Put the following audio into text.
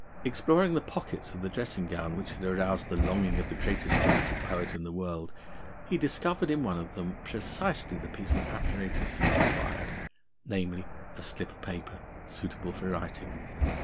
Exploring the pockets of the dressing gown which had aroused the longing of the greatest dramatic poet in the world, he discovered in one of them precisely the piece of apparatus he required; namely, a slip of paper suitable for writing.